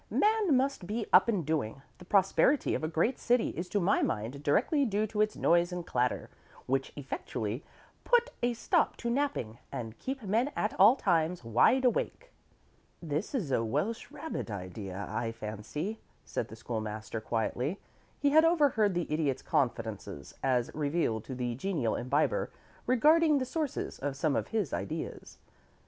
Man must be up and doing. The prosperity of a great city is to my mind directly due to its noise and clatter, which effectually put a stop to napping, and keep men at all times wide awake." "This is a Welsh rabbit idea, I fancy," said the School master, quietly. He had overheard the Idiot's confidences, as revealed to the genial Imbiber, regarding the sources of some of his ideas.